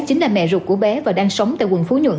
chính là mẹ ruột của bé và đang sống tại quận phú nhuận